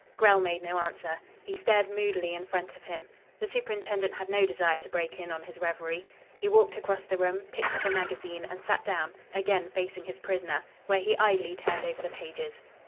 Grell made no answer. He stared moodily in front of him. The superintendent had no desire to break in on his reverie. He walked across the room, picked up a magazine, and sat down, again facing his prisoner, while he idly turned over the pages.